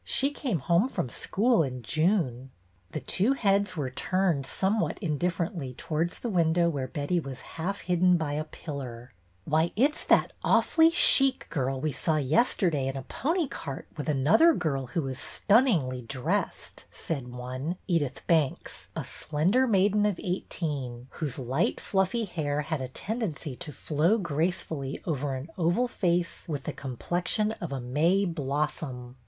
She came home from school in June." The two heads were turned somewhat indif ferently towards the window where Betty was half hidden by a pillar. 13 194 BETTY BAIRD'S VENTURES '' Why, it 's that awfully chic girl we saw yes terday in a pony cart with another girl who was stunningly dressed," said one, Edyth Banks, a slender maiden of eighteen, whose light fluffy hair had a tendency to flow gracefully over an oval face with the complexion of a May blossom.